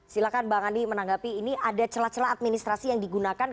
silahkan bang andi menanggapi ini ada celah celah administrasi yang digunakan